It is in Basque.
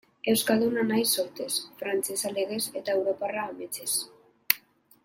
Euskalduna naiz sortzez, frantsesa legez, eta europarra ametsez.